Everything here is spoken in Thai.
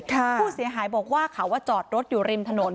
ผู้เสียหายบอกว่าเขาจอดรถอยู่ริมถนน